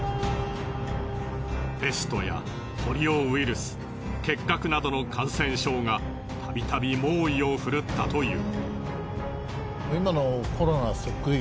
ペストやポリオウイルス結核などの感染症がたびたび猛威をふるったという。